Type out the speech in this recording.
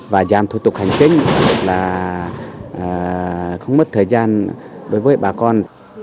và giảm thủ tục hành chính là không mất thời gian đối với bà con